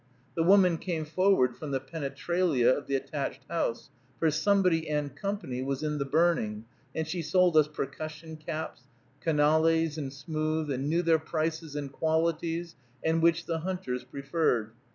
The woman came forward from the penetralia of the attached house, for "Somebody & Co." was in the burning, and she sold us percussion caps, canalés and smooth, and knew their prices and qualities, and which the hunters preferred.